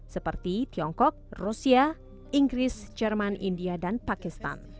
seperti tiongkok rusia inggris jerman india dan pakistan